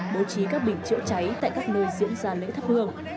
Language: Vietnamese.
bố trí các bình chữa cháy tại các nơi diễn ra lễ thắp hương